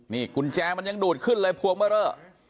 นี่กุญแจมันยังดูดขึ้นเลยพวงเบอร์เรอ